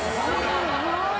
すごい。